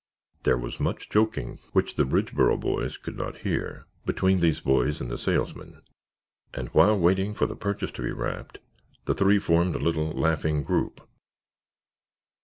There was much joking, which the Bridgeboro boys could not hear, between these boys and the salesman, and while waiting for the purchase to be wrapped the three formed a little laughing group.